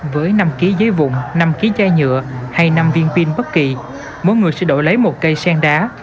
với năm ký giấy vụn năm ký chai nhựa hay năm viên pin bất kỳ mỗi người sẽ đổi lấy một cây sen đá